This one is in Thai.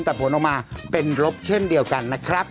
แต่ผลออกมาเป็นลบเช่นเดียวกันนะครับ